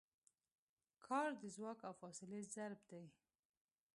کار د ځواک او فاصلې ضرب دی.